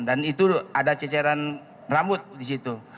dan itu ada ceceran rambut di situ